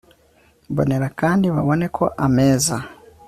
mbonera kandi babone ko ameza